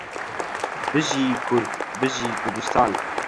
بژی کورد بژی کوردستان